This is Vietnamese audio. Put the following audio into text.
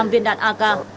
năm viên đạn ak